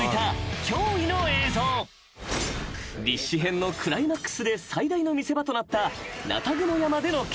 ［立志編のクライマックスで最大の見せ場となった］